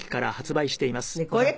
これ？